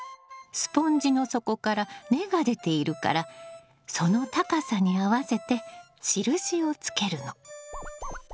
スポンジの底から根が出ているからその高さに合わせて印をつけるの。